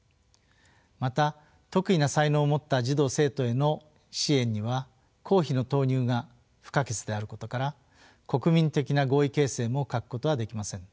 また特異な才能を持った児童生徒への支援には公費の投入が不可欠であることから国民的な合意形成も欠くことはできません。